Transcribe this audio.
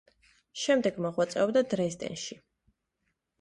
შემდეგ მოღვაწეობდა დრეზდენში.